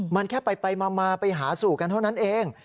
มันแค่ไปมาไปหาสู่กันเท่านั้นเอง